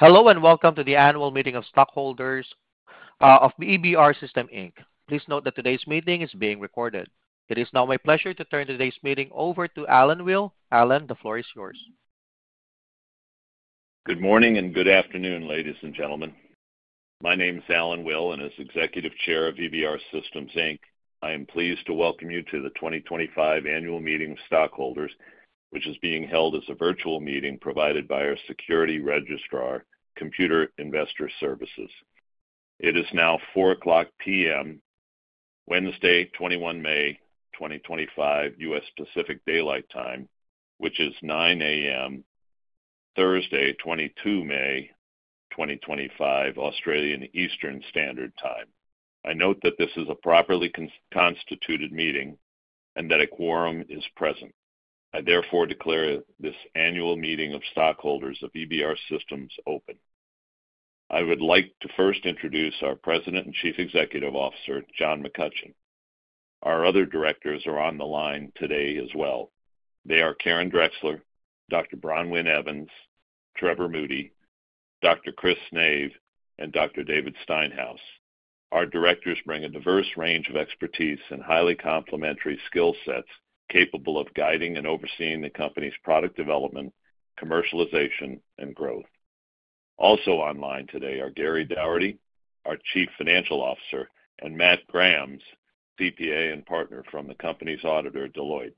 Hello and welcome to the Annual Meeting of Stockholders of EBR Systems Inc. Please note that today's meeting is being recorded. It is now my pleasure to turn today's meeting over to Alan Will. Alan, the floor is yours. Good morning and good afternoon, ladies and gentlemen. My name is Alan Will, and as Executive Chair of EBR Systems Inc, I am pleased to welcome you to the 2025 Annual Meeting of Stockholders, which is being held as a virtual meeting provided by our security registrar, Computershare Investor Services. It is now 4:00 P.M., Wednesday, 21 May 2025, U.S. Pacific Daylight Time, which is 9:00 A.M., Thursday, 22 May 2025, Australian Eastern Standard Time. I note that this is a properly constituted meeting and that a quorum is present. I therefore declare this Annual Meeting of Stockholders of EBR Systems open. I would like to first introduce our President and Chief Executive Officer, John McCutcheon. Our other directors are on the line today as well. They are Karen Drexler, Dr. Bronwyn Evans, Trevor Moody, Dr. Chris Nave, and Dr. David Steinhaus. Our directors bring a diverse range of expertise and highly complementary skill sets capable of guiding and overseeing the company's product development, commercialization, and growth. Also online today are Gary Doherty, our Chief Financial Officer, and Matt Grahams, CPA and partner from the company's auditor, Deloitte.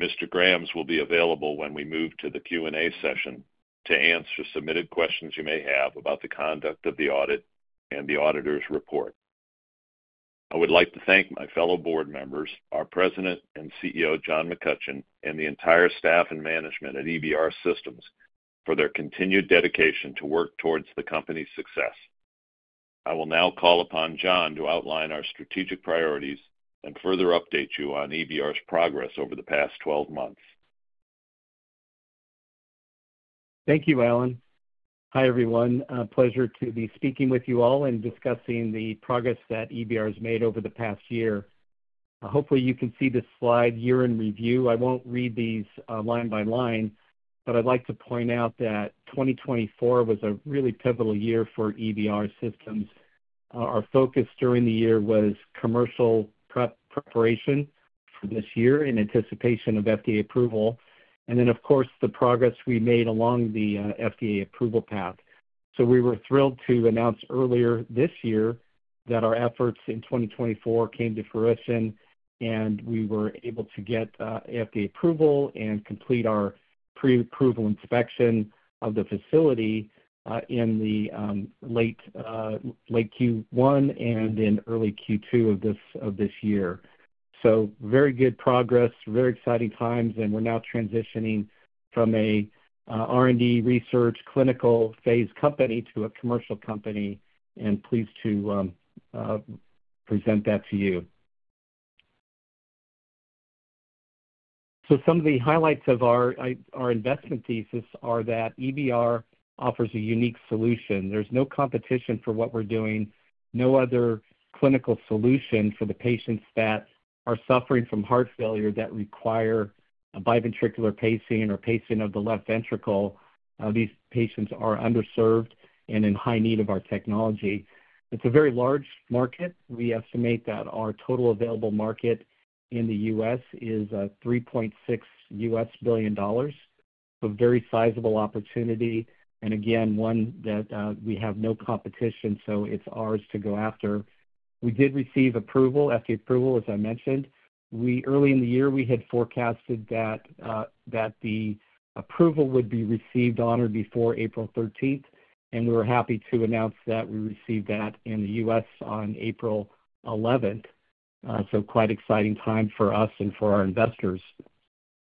Mr. Grahams will be available when we move to the Q&A session to answer submitted questions you may have about the conduct of the audit and the auditor's report. I would like to thank my fellow board members, our President and CEO, John McCutcheon, and the entire staff and management at EBR Systems for their continued dedication to work towards the company's success. I will now call upon John to outline our strategic priorities and further update you on EBR's progress over the past 12 months. Thank you, Alan. Hi, everyone. Pleasure to be speaking with you all and discussing the progress that EBR has made over the past year. Hopefully, you can see the slide year in review. I won't read these line by line, but I'd like to point out that 2024 was a really pivotal year for EBR Systems. Our focus during the year was commercial preparation for this year in anticipation of FDA approval, and then, of course, the progress we made along the FDA approval path. We were thrilled to announce earlier this year that our efforts in 2024 came to fruition, and we were able to get FDA approval and complete our pre-approval inspection of the facility in the late Q1 and in early Q2 of this year. Very good progress, very exciting times, and we're now transitioning from an R&D research clinical phase company to a commercial company, and pleased to present that to you. Some of the highlights of our investment thesis are that EBR offers a unique solution. There's no competition for what we're doing, no other clinical solution for the patients that are suffering from heart failure that require biventricular pacing or pacing of the left ventricle. These patients are underserved and in high need of our technology. It's a very large market. We estimate that our total available market in the U.S. is $3.6 billion, a very sizable opportunity, and again, one that we have no competition, so it's ours to go after. We did receive approval, FDA approval, as I mentioned. Early in the year, we had forecasted that the approval would be received on or before April 13th, and we were happy to announce that we received that in the U.S. on April 11th. Quite exciting time for us and for our investors.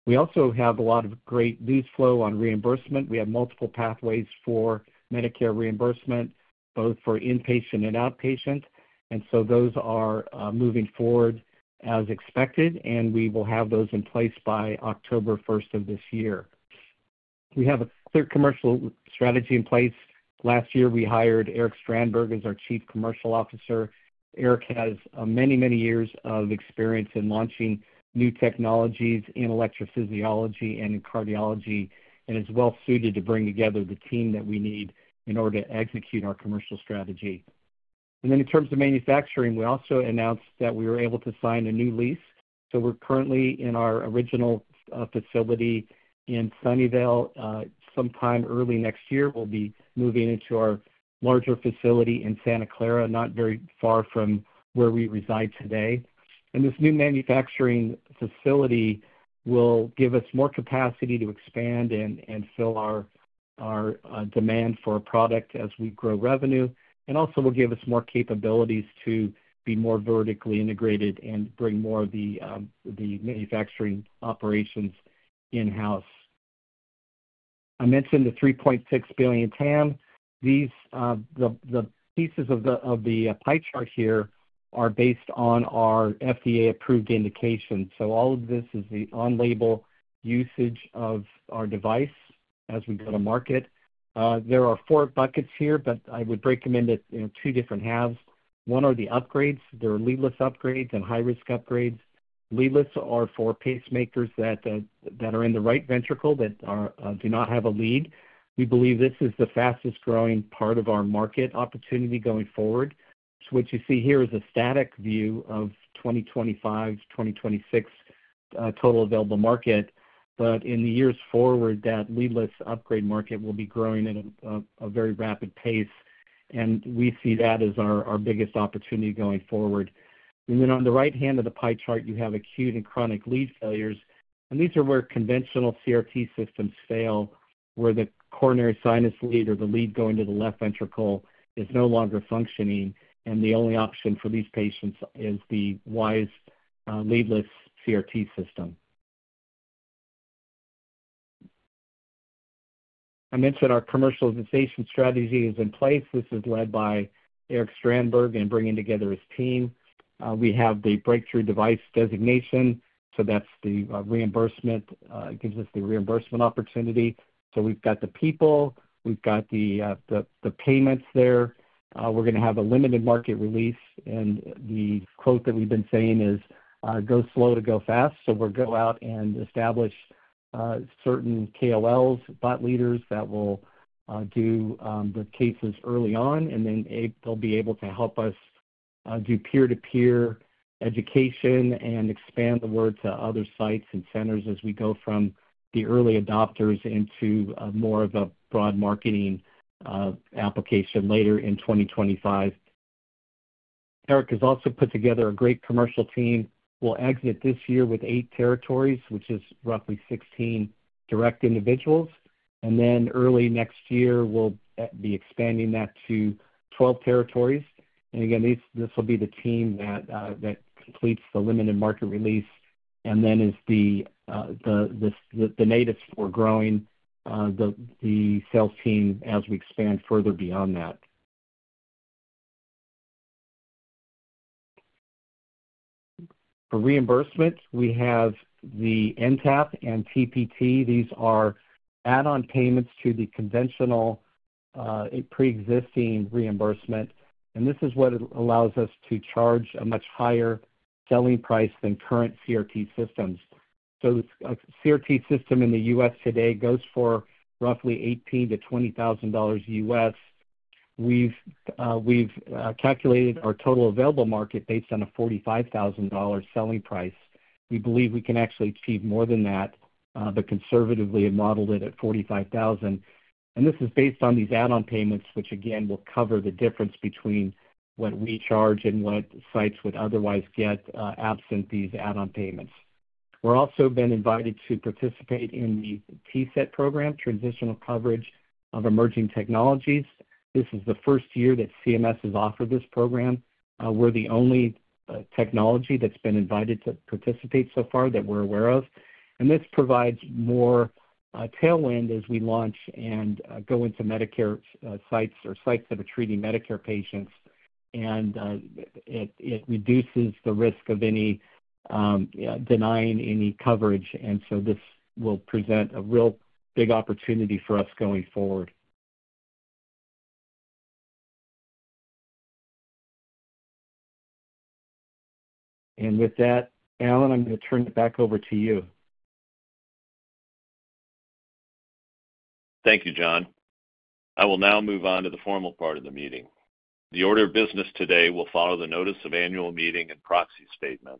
We also have a lot of great news flow on reimbursement. We have multiple pathways for Medicare reimbursement, both for inpatient and outpatient, and those are moving forward as expected, and we will have those in place by October first of this year. We have a clear commercial strategy in place. Last year, we hired Erik Strandberg as our Chief Commercial Officer. Erik has many, many years of experience in launching new technologies in electrophysiology and in cardiology and is well-suited to bring together the team that we need in order to execute our commercial strategy. In terms of manufacturing, we also announced that we were able to sign a new lease. We are currently in our original facility in Sunnyvale. Sometime early next year, we will be moving into our larger facility in Santa Clara, not very far from where we reside today. This new manufacturing facility will give us more capacity to expand and fill our demand for product as we grow revenue, and also will give us more capabilities to be more vertically integrated and bring more of the manufacturing operations in-house. I mentioned the $3.6 billion TAM. The pieces of the pie chart here are based on our FDA-approved indications. All of this is the on-label usage of our device as we go to market. There are four buckets here, but I would break them into two different halves. One are the upgrades. There are leadless upgrades and high-risk upgrades. Leadless are for pacemakers that are in the right ventricle that do not have a lead. We believe this is the fastest-growing part of our market opportunity going forward. What you see here is a static view of 2025-2026 total available market, but in the years forward, that leadless upgrade market will be growing at a very rapid pace, and we see that as our biggest opportunity going forward. On the right hand of the pie chart, you have acute and chronic lead failures, and these are where conventional CRT systems fail, where the coronary sinus lead or the lead going to the left ventricle is no longer functioning, and the only option for these patients is the WiSE leadless CRT system. I mentioned our commercialization strategy is in place. This is led by Erik Strandberg and bringing together his team. We have the breakthrough device designation, so that's the reimbursement. It gives us the reimbursement opportunity. So we've got the people, we've got the payments there. We're going to have a limited market release, and the quote that we've been saying is, "Go slow to go fast." We'll go out and establish certain KOLs, thought leaders that will do the cases early on, and then they'll be able to help us do peer-to-peer education and expand the word to other sites and centers as we go from the early adopters into more of a broad marketing application later in 2025. Erik has also put together a great commercial team. We'll exit this year with eight territories, which is roughly 16 direct individuals, and then early next year, we'll be expanding that to 12 territories. This will be the team that completes the limited market release and then is the nucleus for growing the sales team as we expand further beyond that. For reimbursement, we have the NTAP and TPT. These are add-on payments to the conventional pre-existing reimbursement, and this is what allows us to charge a much higher selling price than current CRT systems. A CRT system in the U.S. today goes for roughly $18,000-$20,000. We've calculated our total available market based on a $45,000 selling price. We believe we can actually achieve more than that, but conservatively, we've modeled it at $45,000. This is based on these add-on payments, which again will cover the difference between what we charge and what sites would otherwise get absent these add-on payments. We've also been invited to participate in the TCET program, Transitional Coverage for Emerging Technologies. This is the first year that CMS has offered this program. We're the only technology that's been invited to participate so far that we're aware of, and this provides more tailwind as we launch and go into Medicare sites or sites that are treating Medicare patients, and it reduces the risk of denying any coverage. This will present a real big opportunity for us going forward. With that, Alan, I'm going to turn it back over to you. Thank you, John. I will now move on to the formal part of the meeting. The order of business today will follow the Notice of Annual Meeting and Proxy Statement,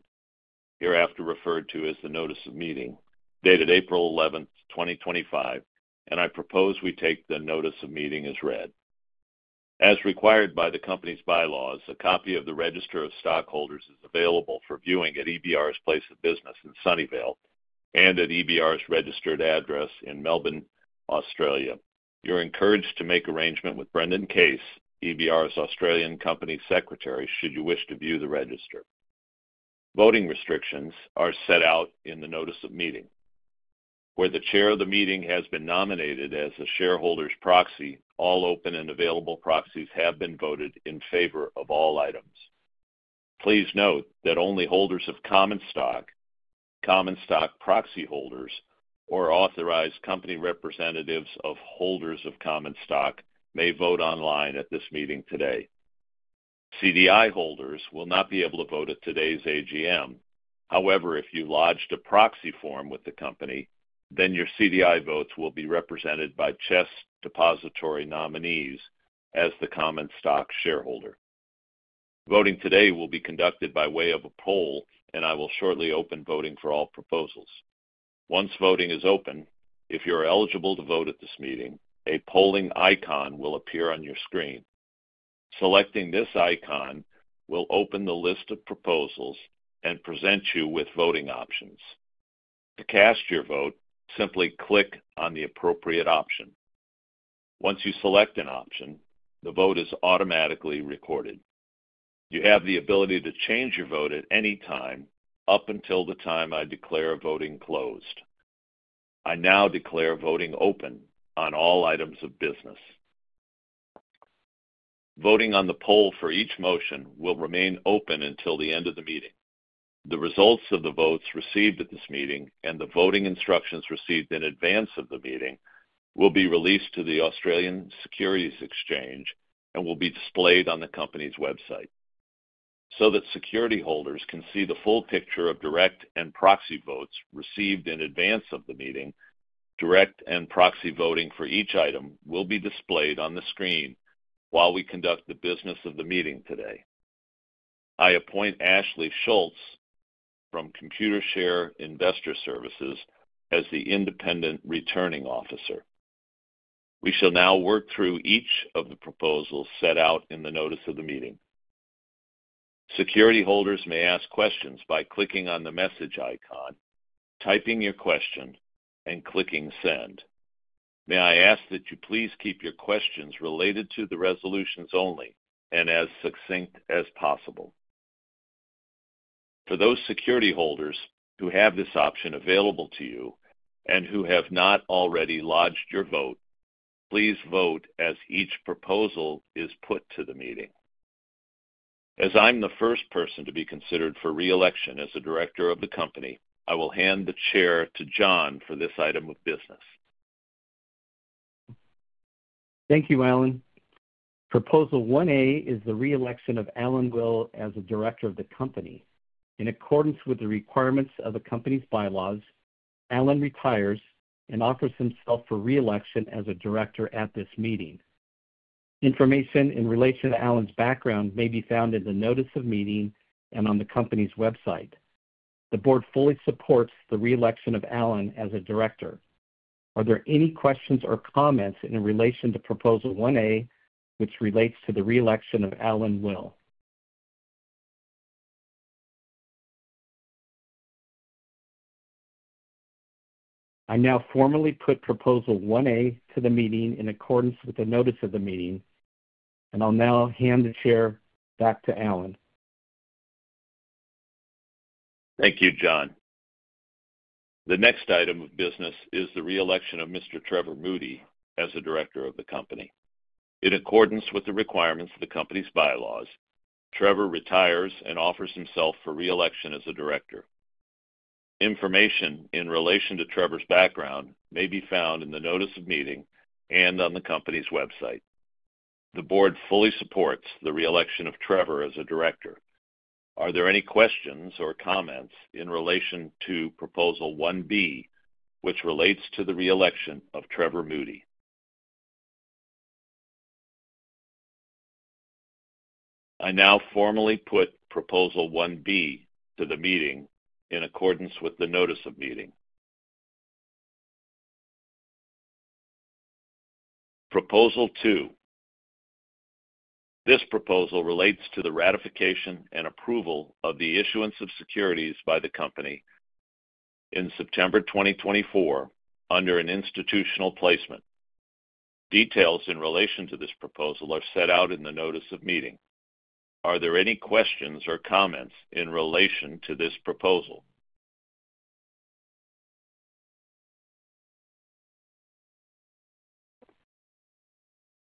hereafter referred to as the Notice of Meeting, dated April 11th, 2025, and I propose we take the Notice of Meeting as read. As required by the company's bylaws, a copy of the Register of Stockholders is available for viewing at EBR's place of business in Sunnyvale and at EBR's registered address in Melbourne, Australia. You're encouraged to make arrangement with Brendan Case, EBR's Australian Company Secretary, should you wish to view the register. Voting restrictions are set out in the Notice of Meeting. Where the chair of the meeting has been nominated as the shareholder's proxy, all open and available proxies have been voted in favor of all items. Please note that only holders of common stock, common stock proxy holders, or authorized company representatives of holders of common stock may vote online at this meeting today. CDI holders will not be able to vote at today's AGM. However, if you lodged a proxy form with the company, then your CDI votes will be represented by CHESS Depository nominees as the common stock shareholder. Voting today will be conducted by way of a poll, and I will shortly open voting for all proposals. Once voting is open, if you're eligible to vote at this meeting, a polling icon will appear on your screen. Selecting this icon will open the list of proposals and present you with voting options. To cast your vote, simply click on the appropriate option. Once you select an option, the vote is automatically recorded. You have the ability to change your vote at any time up until the time I declare voting closed. I now declare voting open on all items of business. Voting on the poll for each motion will remain open until the end of the meeting. The results of the votes received at this meeting and the voting instructions received in advance of the meeting will be released to the Australian Securities Exchange and will be displayed on the company's website. So that security holders can see the full picture of direct and proxy votes received in advance of the meeting, direct and proxy voting for each item will be displayed on the screen while we conduct the business of the meeting today. I appoint Ashley Schultz from Computershare Investor Services as the independent returning officer. We shall now work through each of the proposals set out in the Notice of the Meeting. Security holders may ask questions by clicking on the message icon, typing your question, and clicking send. May I ask that you please keep your questions related to the resolutions only and as succinct as possible? For those security holders who have this option available to you and who have not already lodged your vote, please vote as each proposal is put to the meeting. As I'm the first person to be considered for reelection as a director of the company, I will hand the chair to John for this item of business. Thank you, Alan. Proposal 1A is the reelection of Alan Will as a director of the company. In accordance with the requirements of the company's bylaws, Alan retires and offers himself for reelection as a director at this meeting. Information in relation to Alan's background may be found in the Notice of Meeting and on the company's website. The board fully supports the reelection of Alan as a director. Are there any questions or comments in relation to Proposal 1A, which relates to the reelection of Alan Will? I now formally put Proposal 1A to the meeting in accordance with the Notice of the Meeting, and I'll now hand the chair back to Alan. Thank you, John. The next item of business is the reelection of Mr. Trevor Moody as a director of the company. In accordance with the requirements of the company's bylaws, Trevor retires and offers himself for reelection as a director. Information in relation to Trevor's background may be found in the Notice of Meeting and on the company's website. The board fully supports the reelection of Trevor as a director. Are there any questions or comments in relation to Proposal 1B, which relates to the reelection of Trevor Moody? I now formally put Proposal 1B to the meeting in accordance with the Notice of Meeting. Proposal two. This proposal relates to the ratification and approval of the issuance of securities by the company in September 2024 under an institutional placement. Details in relation to this proposal are set out in the Notice of Meeting. Are there any questions or comments in relation to this proposal?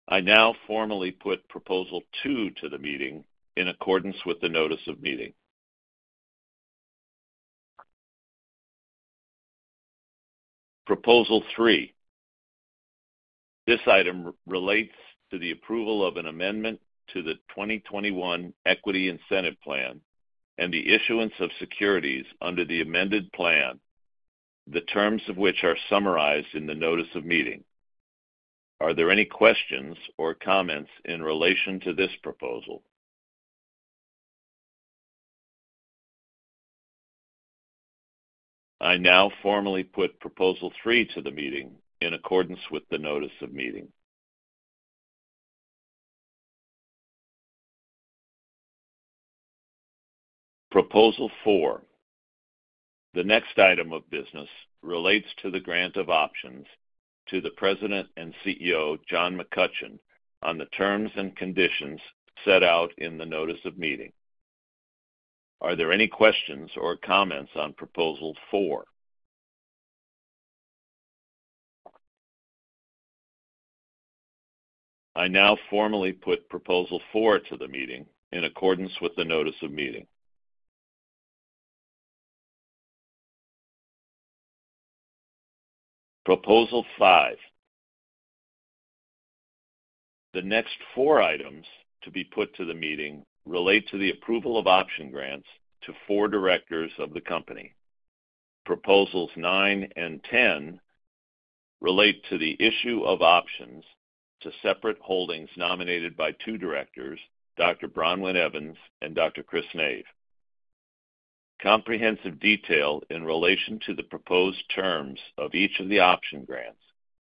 I now formally put Proposal two to the meeting in accordance with the Notice of Meeting. Proposal three. This item relates to the approval of an amendment to the 2021 Equity Incentive Plan and the issuance of securities under the amended plan, the terms of which are summarized in the Notice of Meeting. Are there any questions or comments in relation to this proposal? I now formally put Proposal three to the meeting in accordance with the Notice of Meeting. Proposal four. The next item of business relates to the grant of options to the President and CEO, John McCutcheon, on the terms and conditions set out in the Notice of Meeting. Are there any questions or comments on Proposal four? I now formally put Proposal four to the meeting in accordance with the Notice of Meeting. Proposal five. The next four items to be put to the meeting relate to the approval of option grants to four directors of the company. Proposals nine and 10 relate to the issue of options to separate holdings nominated by two directors, Dr. Bronwyn Evans and Dr. Chris Nave. Comprehensive detail in relation to the proposed terms of each of the option grants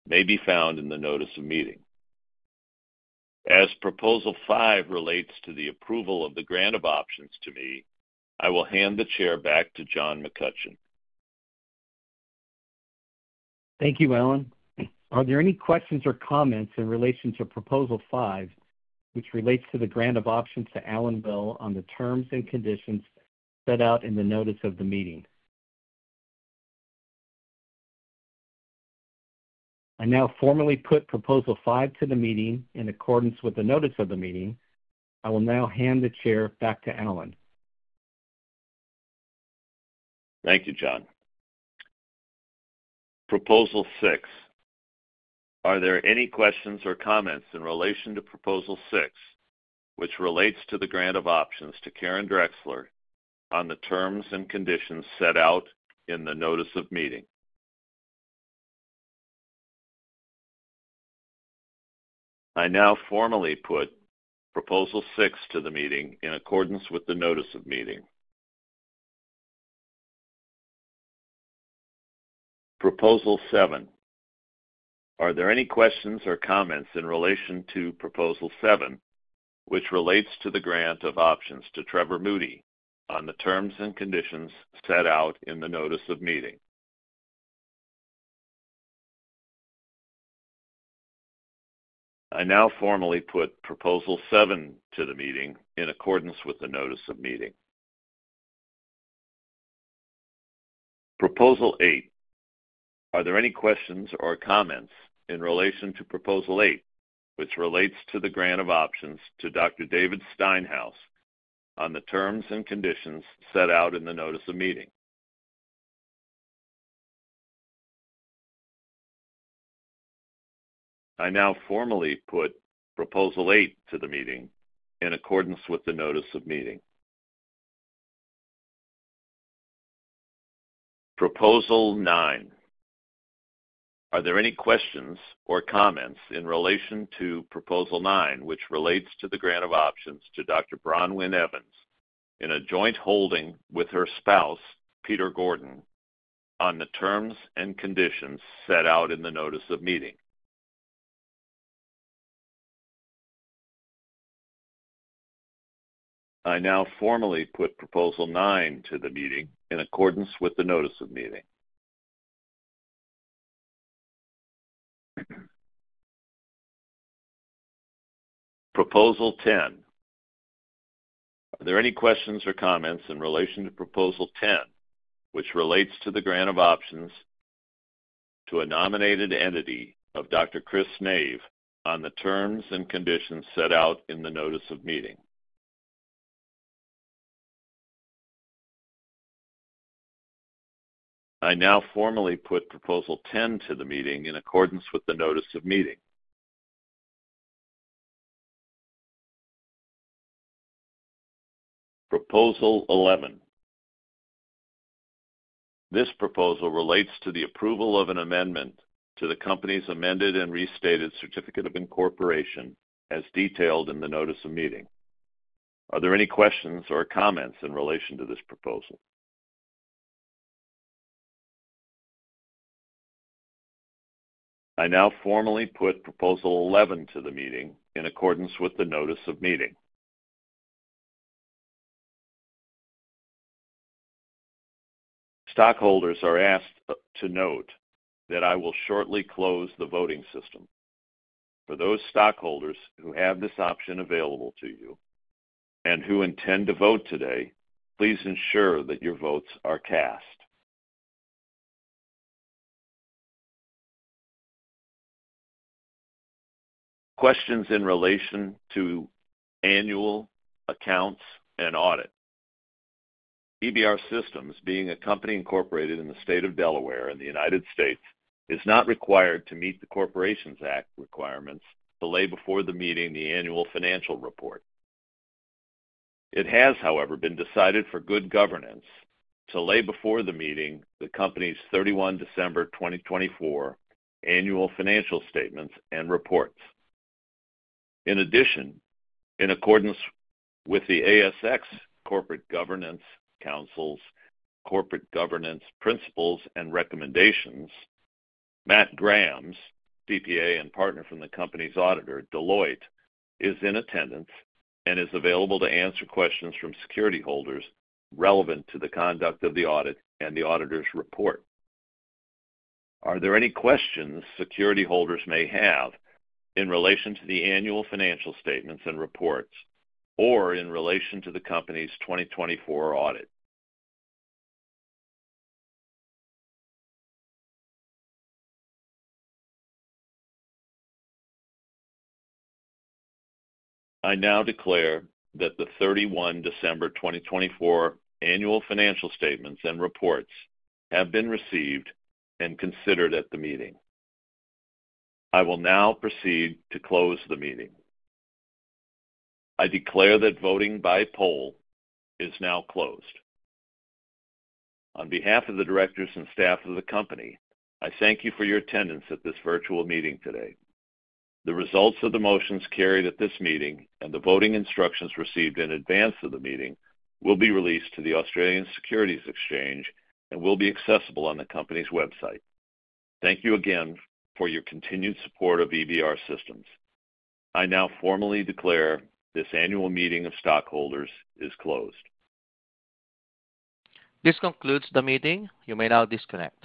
may be found in the Notice of Meeting. As Proposal five relates to the approval of the grant of options to me, I will hand the chair back to John McCutcheon. Thank you, Alan. Are there any questions or comments in relation to Proposal five, which relates to the grant of options to Alan Will on the terms and conditions set out in the Notice of the Meeting? I now formally put Proposal five to the meeting in accordance with the Notice of the Meeting. I will now hand the chair back to Alan. Thank you, John. Proposal six. Are there any questions or comments in relation to Proposal six, which relates to the grant of options to Karen Drexler on the terms and conditions set out in the Notice of Meeting? I now formally put Proposal six to the meeting in accordance with the Notice of Meeting. Proposal seven. Are there any questions or comments in relation to Proposal seven, which relates to the grant of options to Trevor Moody on the terms and conditions set out in the Notice of Meeting? I now formally put Proposal seven to the meeting in accordance with the Notice of Meeting. Proposal eight. Are there any questions or comments in relation to Proposal eight, which relates to the grant of options to Dr. David Steinhaus on the terms and conditions set out in the Notice of Meeting? I now formally put Proposal eight to the meeting in accordance with the Notice of Meeting. Proposal nine. Are there any questions or comments in relation to Proposal nine, which relates to the grant of options to Dr. Bronwyn Evans in a joint holding with her spouse, Peter Gordon, on the terms and conditions set out in the Notice of Meeting? I now formally put Proposal nine to the meeting in accordance with the Notice of Meeting. Proposal 10. Are there any questions or comments in relation to Proposal 10, which relates to the grant of options to a nominated entity of Dr. Chris Nave on the terms and conditions set out in the Notice of Meeting? I now formally put Proposal 10 to the meeting in accordance with the Notice of Meeting. Proposal 11. This proposal relates to the approval of an amendment to the company's amended and restated certificate of incorporation as detailed in the Notice of Meeting. Are there any questions or comments in relation to this proposal? I now formally put Proposal 11 to the meeting in accordance with the Notice of Meeting. Stockholders are asked to note that I will shortly close the voting system. For those stockholders who have this option available to you and who intend to vote today, please ensure that your votes are cast. Questions in relation to annual accounts and audit. EBR Systems, being a company incorporated in the state of Delaware in the United States, is not required to meet the Corporations Act requirements to lay before the meeting the annual financial report. It has, however, been decided for good governance to lay before the meeting the company's 31 December 2024 annual financial statements and reports. In addition, in accordance with the ASX Corporate Governance Council's corporate governance principles and recommendations, Matt Grahams, CPA and partner from the company's auditor, Deloitte, is in attendance and is available to answer questions from security holders relevant to the conduct of the audit and the auditor's report. Are there any questions security holders may have in relation to the annual financial statements and reports or in relation to the company's 2024 audit? I now declare that the 31 December 2024 annual financial statements and reports have been received and considered at the meeting. I will now proceed to close the meeting. I declare that voting by poll is now closed. On behalf of the directors and staff of the company, I thank you for your attendance at this virtual meeting today. The results of the motions carried at this meeting and the voting instructions received in advance of the meeting will be released to the Australian Securities Exchange and will be accessible on the company's website. Thank you again for your continued support of EBR Systems. I now formally declare this Annual Meeting of Stockholders is closed. This concludes the meeting. You may now disconnect.